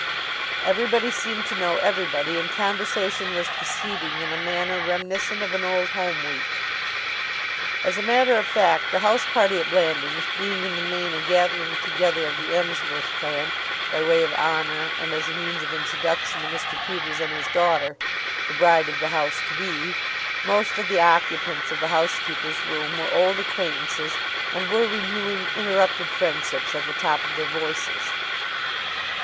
Everybody seemed to know everybody and conversation was proceeding in a manner reminiscent of an Old Home Week. As a matter of fact, the house party at Blandings being in the main a gathering together of the Emsworth clan by way of honor and as a means of introduction to Mr. Peters and his daughter, the bride of the house to be, most of the occupants of the housekeeper's room were old acquaintances and were renewing interrupted friendships at the top of their voices.